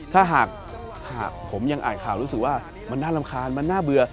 ถ้าหากผมยังอ่านข่าวรู้สึกว่ามันน่ารำคาญมันน่าเบื่อ